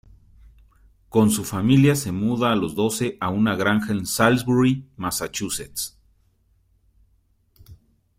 Con su familia se muda a los doce a una granja en Salisbury, Massachusetts.